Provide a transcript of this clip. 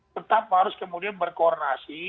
tetap harus kemudian berkoordinasi